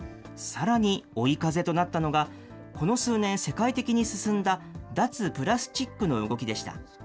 さらに追い風となったのが、この数年、世界的に進んだ、脱プラスチックの動きでした。